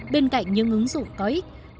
bên cạnh những ứng dụng có ích